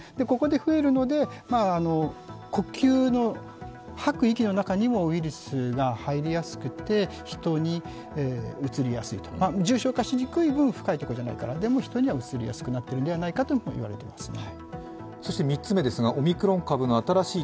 ここで増えるので、呼吸の、吐く息の中にもウイルスがあって人にうつりやすいと、重症化しにくい分、深いところじゃないから人にはうつりやすくなっているんじゃないかと言われています。